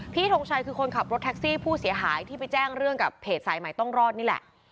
ทงชัยคือคนขับรถแท็กซี่ผู้เสียหายที่ไปแจ้งเรื่องกับเพจสายใหม่ต้องรอดนี่แหละ